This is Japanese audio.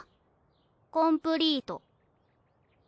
コンプリート。